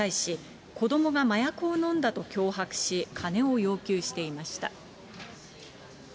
一味は学生の親に対し、子どもが麻薬を飲んだと脅迫し、金を要求していました。